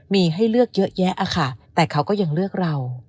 มีให้เลือกเยอะแยะค่ะแต่เขาก็ยังเลือกเรา